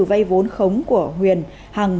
vây vốn khống của huyền hằng